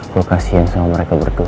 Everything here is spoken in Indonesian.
gue kasihan sama mereka berdua